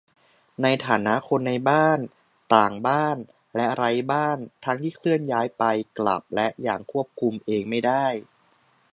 ในฐานะคนในบ้าน ต่างบ้าน และไร้บ้าน ทั้งที่เคลื่อนย้ายไป กลับ และอย่างควบคุมเองไม่ได้